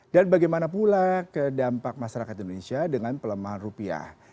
dan bagaimana pula ke dampak masyarakat indonesia dengan pelemahan rupiah